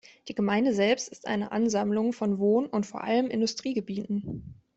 Die Gemeinde selbst ist eine Ansammlung von Wohn- und, vor allem, Industriegebieten.